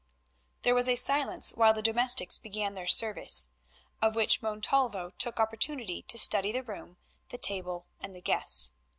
There was a silence while the domestics began their service, of which Montalvo took opportunity to study the room, the table and the guests.